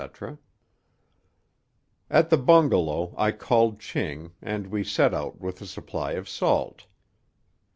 _) At the bungalow I called Ching, and we set out with a supply of salt.